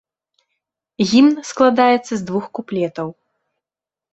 Гімн складаецца з двух куплетаў.